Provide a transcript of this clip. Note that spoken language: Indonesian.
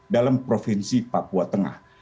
dalam provinsi papua tengah